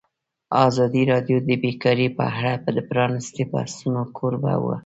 ازادي راډیو د بیکاري په اړه د پرانیستو بحثونو کوربه وه.